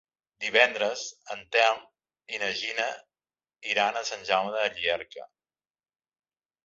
Divendres en Telm i na Gina iran a Sant Jaume de Llierca.